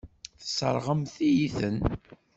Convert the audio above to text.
Tesseṛɣemt-iyi-ten.